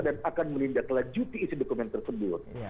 dan akan melindah telah juti isi dokumen tersebut